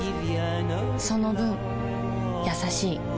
その分優しい